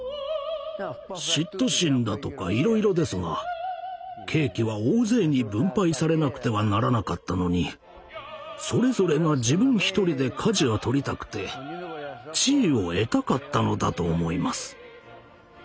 嫉妬心だとかいろいろですがケーキは大勢に分配されなくてはならなかったのにそれぞれが自分一人でかじを取りたくて地位を得たかったのだと思います。